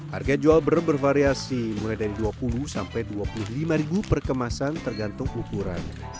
harga jual brem bervariasi mulai dari dua puluh sampai dua puluh lima ribu perkemasan tergantung ukuran